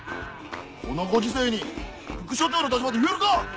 このご時世に副署長の立場で言えるか！